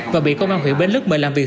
và bị công an huyện bến lức mời làm việc